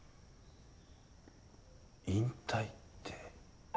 引退って。